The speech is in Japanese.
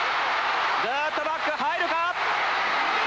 ずっとバック入るか！